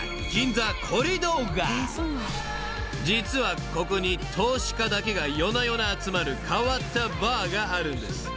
［実はここに投資家だけが夜な夜な集まる変わったバーがあるんです］